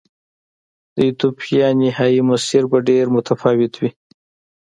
د ایتوپیا نهايي مسیر به ډېر متفاوت و.